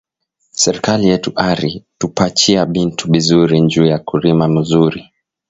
Serkali wetu ari tupachiya bintu bizuri nju ya kurima muzuri